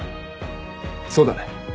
そうだね。